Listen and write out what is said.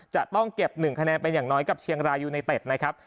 จะต้องเก็บ๑คะแนนเป็นอย่างน้อยกับเชียงรายยูไนเต็ดนะครับ